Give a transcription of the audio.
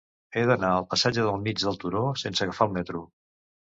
He d'anar al passatge del Mig del Turó sense agafar el metro.